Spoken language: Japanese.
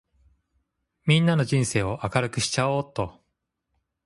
みんなの人生を明るくしちゃおーっと！